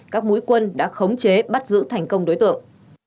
các mũi quân đã khống chế bắt giữ thành công đối tượng